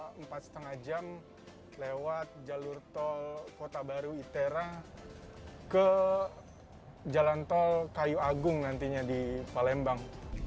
sekitar empat lima jam lewat jalur tol kota baru itera ke jalan tol kayu agung nantinya di palembang